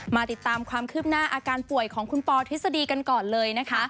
มาติดตามความคืบหน้าอาการป่วยของคุณปอทฤษฎีกันก่อนเลยนะคะ